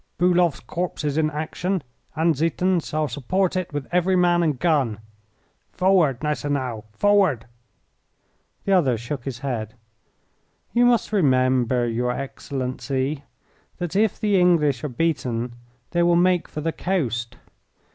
Bulow's corps is in action, and Ziethen's shall support it with every man and gun. Forward, Gneisenau, forward!" The other shook his head. "You must remember, your Excellency, that if the English are beaten they will make for the coast.